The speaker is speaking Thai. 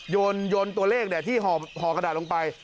โยนตัวเลขที่ห่อขดาลลงไป